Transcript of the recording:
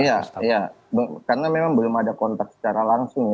iya karena memang belum ada kontak secara langsung ya